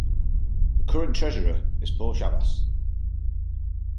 The current Treasurer is Paul Schabas.